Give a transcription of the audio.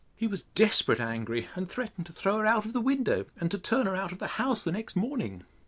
He was desperate angry, and threatened to throw her out of the window; and to turn her out of the house the next morning.